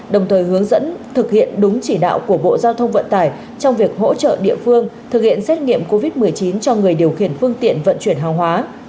đồng thời hướng dẫn thực hiện đúng chỉ đạo của bộ giao thông vận tải trong việc hỗ trợ địa phương thực hiện xét nghiệm covid một mươi chín cho người điều khiển phương tiện vận chuyển hàng hóa